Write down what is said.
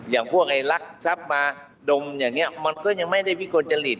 อย่างพวกไอ้รักทรัพย์มาดมอย่างนี้มันก็ยังไม่ได้วิกลจริต